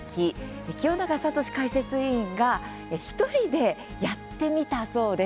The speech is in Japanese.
清永聡解説委員が１人でやってみたそうです。